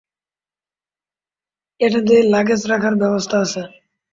এটাতে লাগেজ রাখার ব্যবস্থা আছে।